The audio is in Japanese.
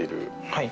はい。